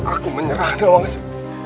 aku menyerah nawangsi